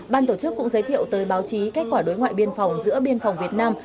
ban tổ chức cũng giới thiệu tới báo chí kết quả đối ngoại biên phòng giữa biên phòng việt nam